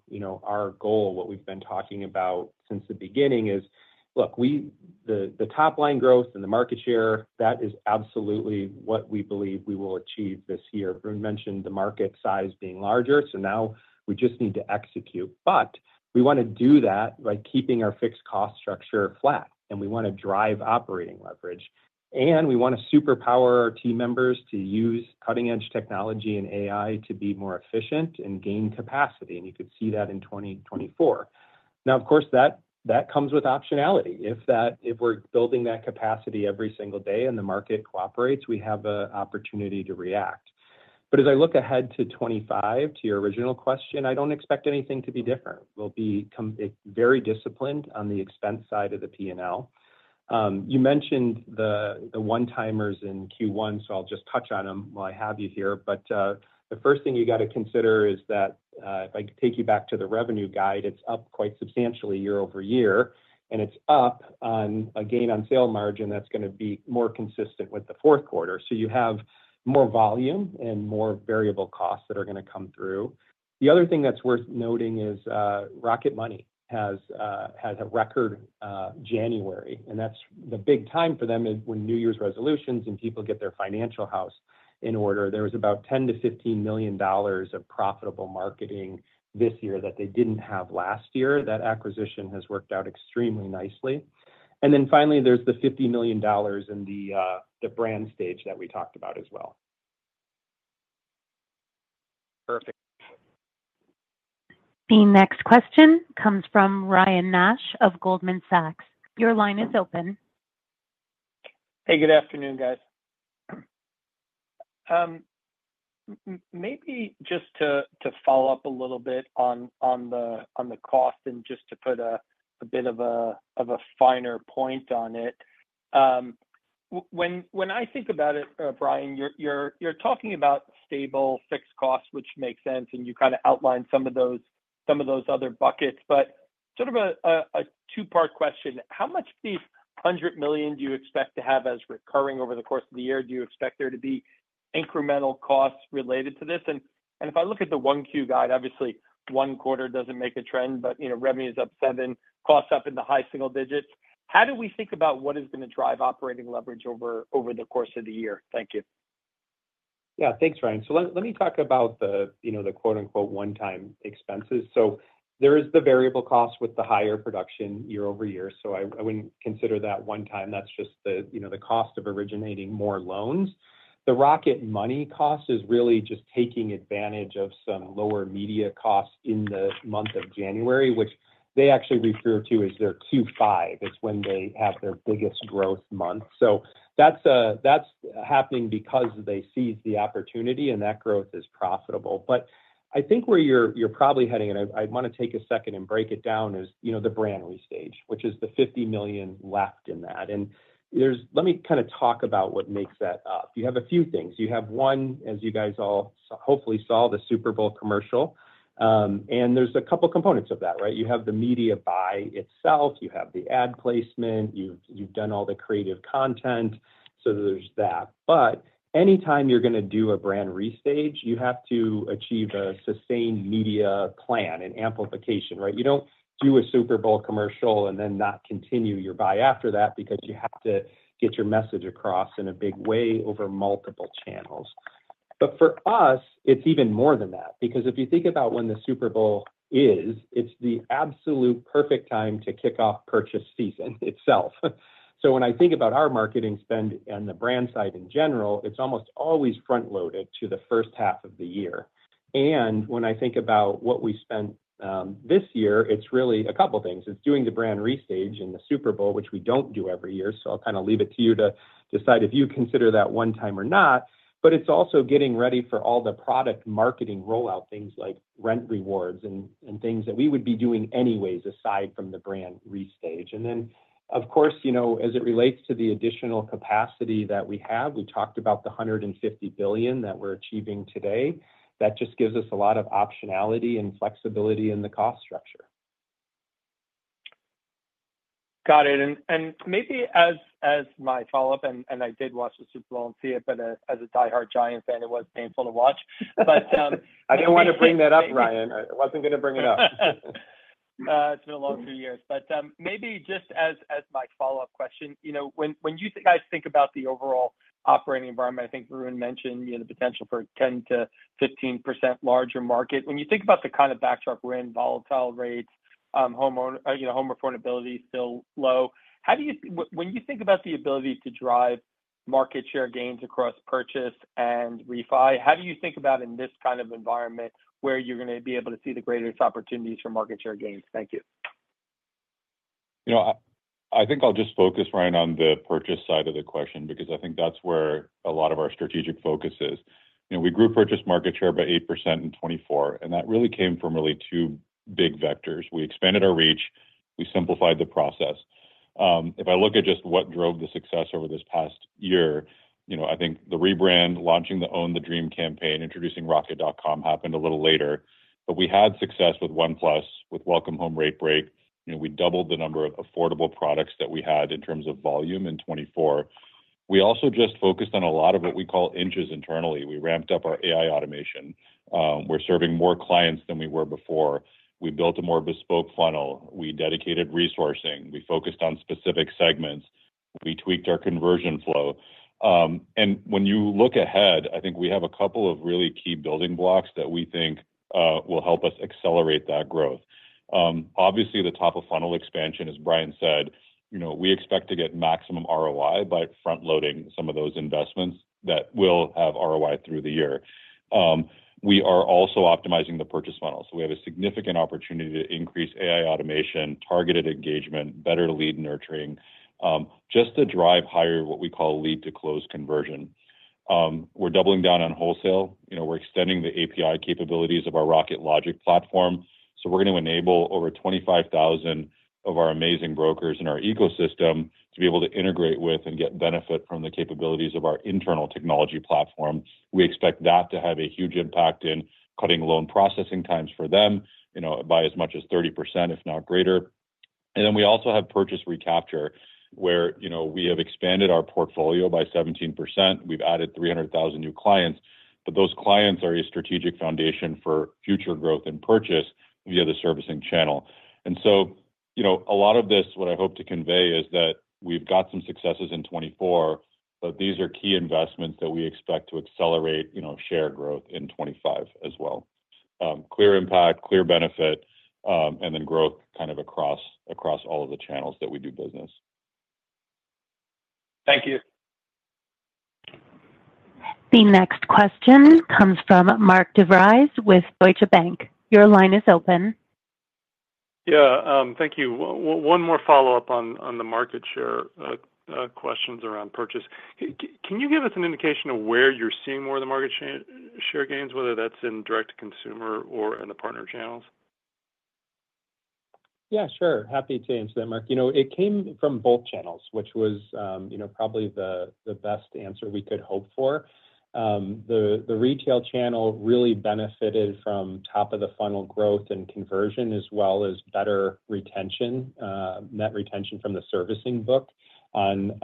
our goal, what we've been talking about since the beginning is, look, the top line growth and the market share, that is absolutely what we believe we will achieve this year. Varun mentioned the market size being larger. So now we just need to execute. But we want to do that by keeping our fixed cost structure flat, and we want to drive operating leverage. And we want to superpower our team members to use cutting-edge technology and AI to be more efficient and gain capacity. And you could see that in 2024. Now, of course, that comes with optionality. If we're building that capacity every single day and the market cooperates, we have an opportunity to react. But as I look ahead to 2025, to your original question, I don't expect anything to be different. We'll be very disciplined on the expense side of the P&L. You mentioned the one-timers in Q1, so I'll just touch on them while I have you here. But the first thing you got to consider is that if I take you back to the revenue guide, it's up quite substantially year-over-year, and it's up on a gain on sale margin that's going to be more consistent with the fourth quarter. So, you have more volume and more variable costs that are going to come through. The other thing that's worth noting is Rocket Money has a record January. And that's the big time for them when New Year's resolutions and people get their financial house in order. There was about $10 million-$15 million of profitable marketing this year that they didn't have last year. That acquisition has worked out extremely nicely. And then finally, there's the $50 million in the brand stage that we talked about as well. Perfect. The next question comes from Ryan Nash of Goldman Sachs. Your line is open. Hey, good afternoon, guys. Maybe just to follow up a little bit on the cost and just to put a bit of a finer point on it. When I think about it, Brian, you're talking about stable fixed costs, which makes sense, and you kind of outlined some of those other buckets. But sort of a two-part question. How much of these $100 million do you expect to have as recurring over the course of the year? Do you expect there to be incremental costs related to this? And if I look at the 1Q guide, obviously, one quarter doesn't make a trend, but revenue is up seven, costs up in the high single digits. How do we think about what is going to drive operating leverage over the course of the year? Thank you. Yeah, thanks, Ryan. So let me talk about the quote-unquote one-time expenses. So there is the variable cost with the higher production year-over-year. So I wouldn't consider that one-time. That's just the cost of originating more loans. The Rocket Money cost is really just taking advantage of some lower media costs in the month of January, which they actually refer to as their Q5. It's when they have their biggest growth month. So that's happening because they seize the opportunity, and that growth is profitable. But I think where you're probably heading, and I want to take a second and break it down, is the brand restage, which is the $50 million left in that. And let me kind of talk about what makes that up. You have a few things. You have one, as you guys all hopefully saw, the Super Bowl commercial. And there's a couple of components of that, right? You have the media buy itself. You have the ad placement. You've done all the creative content, so there's that. But anytime you're going to do a brand restage, you have to achieve a sustained media plan and amplification, right? You don't do a Super Bowl commercial and then not continue your buy after that because you have to get your message across in a big way over multiple channels. But for us, it's even more than that because if you think about when the Super Bowl is, it's the absolute perfect time to kick off purchase season itself. So when I think about our marketing spend and the brand side in general, it's almost always front-loaded to the first half of the year, and when I think about what we spent this year, it's really a couple of things. It's doing the brand restage and the Super Bowl, which we don't do every year. So I'll kind of leave it to you to decide if you consider that one-time or not. But it's also getting ready for all the product marketing rollout things like rent rewards and things that we would be doing anyways aside from the brand restage. And then, of course, as it relates to the additional capacity that we have, we talked about the $150 billion that we're achieving today. That just gives us a lot of optionality and flexibility in the cost structure. Got it. And maybe as my follow-up, and I did watch the Super Bowl and see it, but as a die-hard Giants fan, it was painful to watch. But I didn't want to bring that up, Ryan. I wasn't going to bring that up. It's been a long few years. But maybe just as my follow-up question, when you guys think about the overall operating environment, I think Varun mentioned the potential for 10%-15% larger market. When you think about the kind of backdrop, we're in volatile rates, home affordability still low. When you think about the ability to drive market share gains across purchase and refi, how do you think about in this kind of environment where you're going to be able to see the greatest opportunities for market share gains? Thank you. I think I'll just focus, Ryan, on the purchase side of the question because I think that's where a lot of our strategic focus is. We grew purchase market share by 8% in 2024, and that really came from two big vectors. We expanded our reach. We simplified the process. If I look at just what drove the success over this past year, I think the rebrand, launching the Own the Dream campaign, introducing Rocket.com happened a little later, but we had success with ONE+, with Welcome Home Rate Break. We doubled the number of affordable products that we had in terms of volume in 2024. We also just focused on a lot of what we call inches internally. We ramped up our AI automation. We're serving more clients than we were before. We built a more bespoke funnel. We dedicated resourcing. We focused on specific segments. We tweaked our conversion flow, and when you look ahead, I think we have a couple of really key building blocks that we think will help us accelerate that growth. Obviously, the top of funnel expansion, as Brian said, we expect to get maximum ROI by front-loading some of those investments that will have ROI through the year. We are also optimizing the purchase funnel. So we have a significant opportunity to increase AI automation, targeted engagement, better lead nurturing, just to drive higher what we call lead-to-close conversion. We're doubling down on wholesale. We're extending the API capabilities of our Rocket Logic platform. So we're going to enable over 25,000 of our amazing brokers in our ecosystem to be able to integrate with and get benefit from the capabilities of our internal technology platform. We expect that to have a huge impact in cutting loan processing times for them by as much as 30%, if not greater. And then we also have purchase recapture where we have expanded our portfolio by 17%. We've added 300,000 new clients. But those clients are a strategic foundation for future growth and purchase via the servicing channel. And so a lot of this, what I hope to convey, is that we've got some successes in 2024, but these are key investments that we expect to accelerate share growth in 2025 as well. Clear impact, clear benefit, and then growth kind of across all of the channels that we do business. Thank you. The next question comes from Mark DeVries with Deutsche Bank. Your line is open. Yeah, thank you. One more follow-up on the market share questions around purchase. Can you give us an indication of where you're seeing more of the market share gains, whether that's in direct to consumer or in the partner channels? Yeah, sure. Happy to answer that, Mark. It came from both channels, which was probably the best answer we could hope for. The retail channel really benefited from top of the funnel growth and conversion as well as better retention, net retention from the servicing book on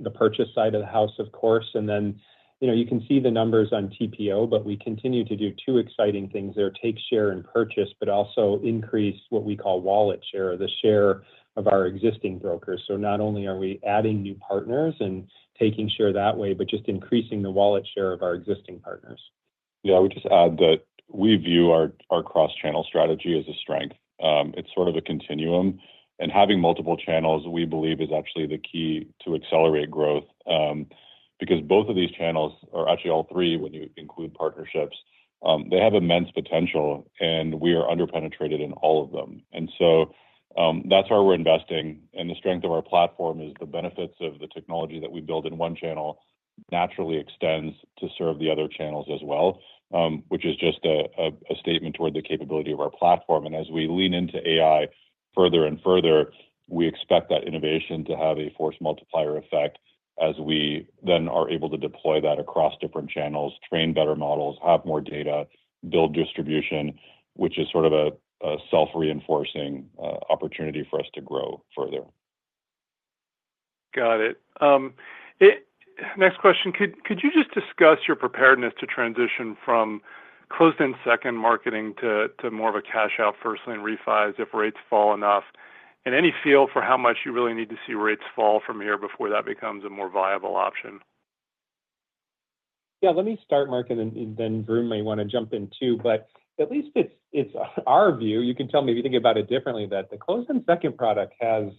the purchase side of the house, of course. And then you can see the numbers on TPO, but we continue to do two exciting things there, take share and purchase, but also increase what we call wallet share, the share of our existing brokers. So not only are we adding new partners and taking share that way, but just increasing the wallet share of our existing partners. Yeah, I would just add that we view our cross-channel strategy as a strength. It's sort of a continuum. And having multiple channels, we believe, is actually the key to accelerate growth because both of these channels, or actually all three, when you include partnerships, they have immense potential, and we are underpenetrated in all of them. And so that's where we're investing. And the strength of our platform is the benefits of the technology that we build in one channel naturally extends to serve the other channels as well, which is just a statement toward the capability of our platform. And as we lean into AI further and further, we expect that innovation to have a force multiplier effect as we then are able to deploy that across different channels, train better models, have more data, build distribution, which is sort of a self-reinforcing opportunity for us to grow further. Got it. Next question. Could you just discuss your preparedness to transition from closed-end second mortgages to more of a cash-out first-lien refis if rates fall enough? And any feel for how much you really need to see rates fall from here before that becomes a more viable option? Yeah, let me start, Mark, and then Varun may want to jump in too. But at least it's our view. You can tell me if you think about it differently that the closed-end second product has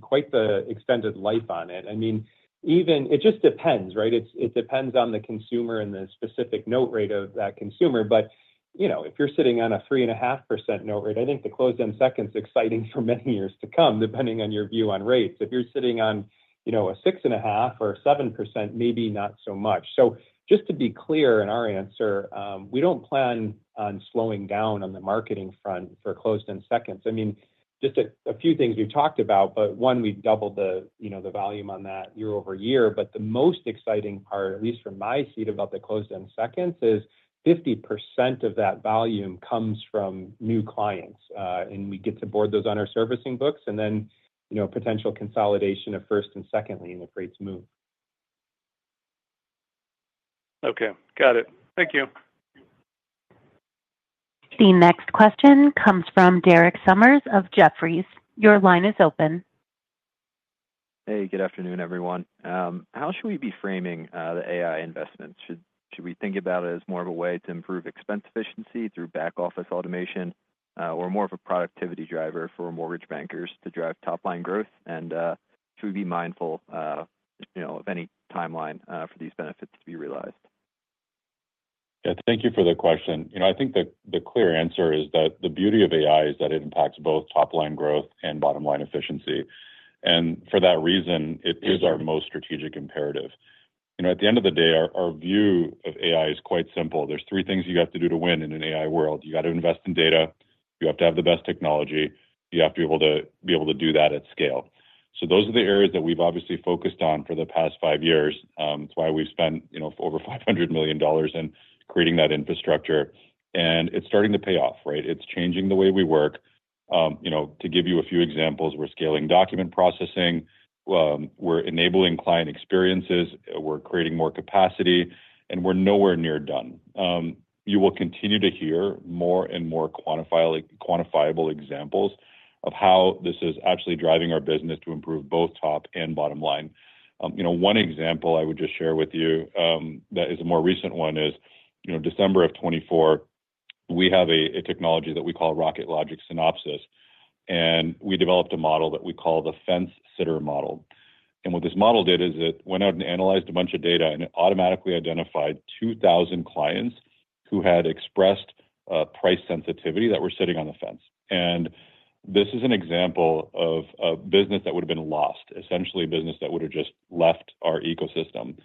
quite the extended life on it. I mean, it just depends, right? It depends on the consumer and the specific note rate of that consumer. But if you're sitting on a 3.5% note rate, I think the closed-end second is exciting for many years to come, depending on your view on rates. If you're sitting on a 6.5%-7%, maybe not so much. So just to be clear in our answer, we don't plan on slowing down on the marketing front for closed-end seconds. I mean, just a few things we talked about, but one, we doubled the volume on that year-over-year. But the most exciting part, at least from my seat about the closed-end seconds, is 50% of that volume comes from new clients. And we get to board those on our servicing books and then potential consolidation of first and secondly in a refi move. Okay. Got it. Thank you. The next question comes from Derek Sommers of Jefferies. Your line is open. Hey, good afternoon, everyone. How should we be framing the AI investments? Should we think about it as more of a way to improve expense efficiency through back-office automation or more of a productivity driver for mortgage bankers to drive top-line growth? And should we be mindful of any timeline for these benefits to be realized? Yeah, thank you for the question. I think the clear answer is that the beauty of AI is that it impacts both top-line growth and bottom-line efficiency. And for that reason, it is our most strategic imperative. At the end of the day, our view of AI is quite simple. There's three things you have to do to win in an AI world. You got to invest in data. You have to have the best technology. You have to be able to do that at scale. So those are the areas that we've obviously focused on for the past five years. It's why we've spent over $500 million in creating that infrastructure. And it's starting to pay off, right? It's changing the way we work. To give you a few examples, we're scaling document processing. We're enabling client experiences. We're creating more capacity. And we're nowhere near done. You will continue to hear more and more quantifiable examples of how this is actually driving our business to improve both top and bottom line. One example I would just share with you that is a more recent one is December of 2024. We have a technology that we call Rocket Logic Synopsis, and we developed a model that we call the Fence Sitter model. What this model did is it went out and analyzed a bunch of data, and it automatically identified 2,000 clients who had expressed price sensitivity that were sitting on the fence. This is an example of a business that would have been lost, essentially a business that would have just left our ecosystem.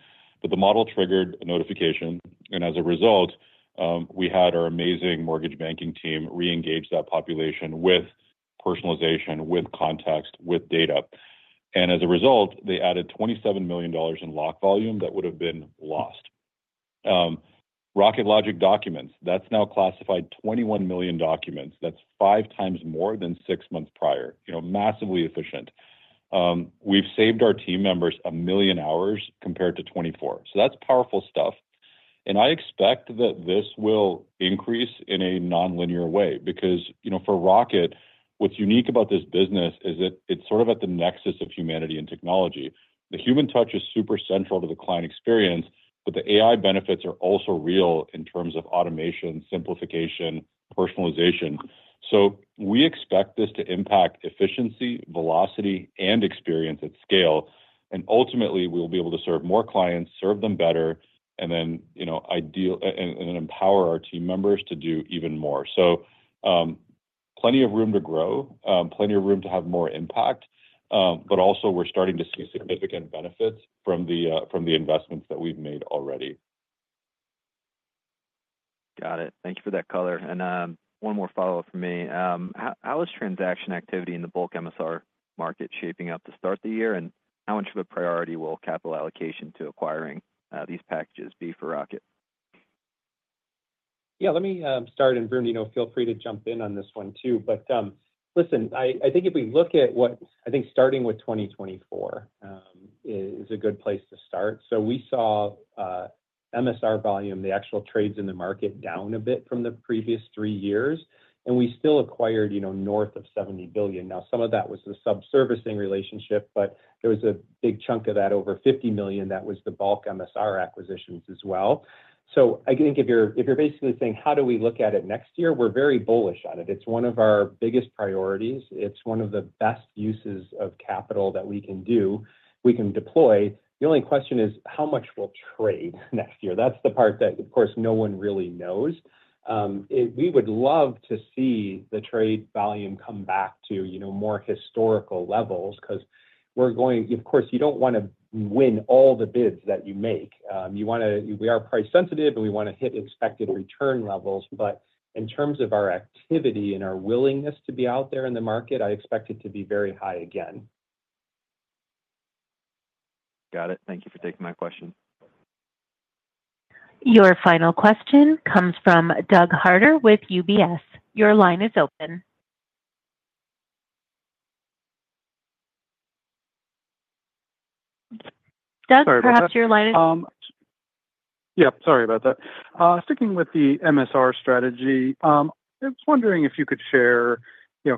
The model triggered a notification, and as a result, we had our amazing mortgage banking team re-engage that population with personalization, with context, with data. As a result, they added $27 million in lock volume that would have been lost. Rocket Logic Docs. That's now classified 21 million documents. That's five times more than six months prior. Massively efficient. We've saved our team members a million hours compared to 2024. So that's powerful stuff. And I expect that this will increase in a non-linear way because for Rocket, what's unique about this business is it's sort of at the nexus of humanity and technology. The human touch is super central to the client experience, but the AI benefits are also real in terms of automation, simplification, personalization. So we expect this to impact efficiency, velocity, and experience at scale. And ultimately, we will be able to serve more clients, serve them better, and then empower our team members to do even more. So plenty of room to grow, plenty of room to have more impact, but also we're starting to see significant benefits from the investments that we've made already. Got it. Thank you for that color. One more follow-up for me. How is transaction activity in the bulk MSR market shaping up to start the year? And how much of a priority will capital allocation to acquiring these packages be for Rocket? Yeah, let me start. And Varun, feel free to jump in on this one too. But listen, I think if we look at what I think starting with 2024 is a good place to start. So we saw MSR volume, the actual trades in the market down a bit from the previous three years. And we still acquired north of $70 billion. Now, some of that was the sub-servicing relationship, but there was a big chunk of that over $50 billion that was the bulk MSR acquisitions as well. So I think if you're basically saying, how do we look at it next year? We're very bullish on it. It's one of our biggest priorities. It's one of the best uses of capital that we can do. We can deploy. The only question is how much we'll trade next year. That's the part that, of course, no one really knows. We would love to see the trade volume come back to more historical levels because we're going to, of course, you don't want to win all the bids that you make. We are price sensitive, and we want to hit expected return levels. But in terms of our activity and our willingness to be out there in the market, I expect it to be very high again. Got it. Thank you for taking my question. Your final question comes from Doug Harter with UBS. Your line is open. Doug, perhaps your line is open. Yeah, sorry about that. Sticking with the MSR strategy, I was wondering if you could share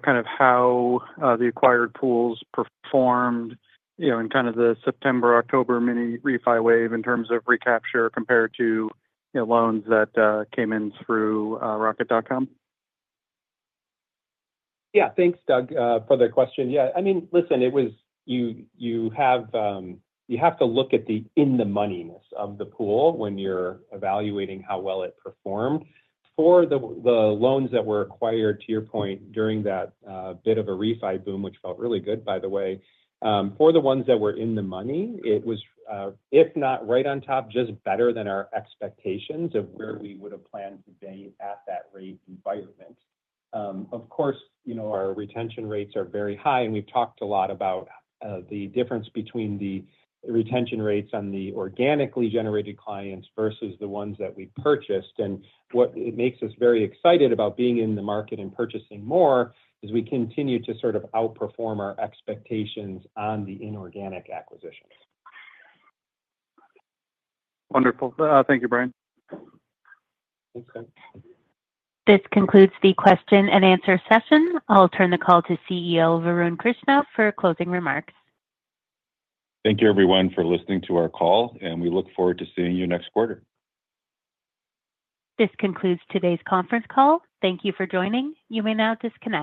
kind of how the acquired pools performed in kind of the September, October mini refi wave in terms of recapture compared to loans that came in through Rocket.com. Yeah, thanks, Doug, for the question. Yeah. I mean, listen, you have to look at the in-the-moneyness of the pool when you're evaluating how well it performed. For the loans that were acquired, to your point, during that bit of a refi boom, which felt really good, by the way, for the ones that were in the money, it was, if not right on top, just better than our expectations of where we would have planned to be at that rate environment. Of course, our retention rates are very high, and we've talked a lot about the difference between the retention rates on the organically generated clients versus the ones that we purchased. And what makes us very excited about being in the market and purchasing more is we continue to sort of outperform our expectations on the inorganic acquisitions. Wonderful. Thank you, Brian. Thanks, guys. This concludes the question and answer session. I'll turn the call to CEO Varun Krishna for closing remar Thank you, everyone, for listening to our call, and we look forward to seeing you next quarter. This concludes today's conference call. Thank you for joining. You may now disconnect.